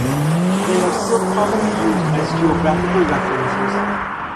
They are still commonly used as geographical references.